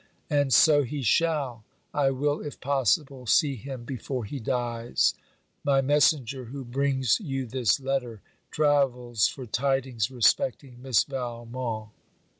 And so he shall. I will, if possible, see him before he dies. My messenger, who brings you this letter, travels for tidings respecting Miss Valmont.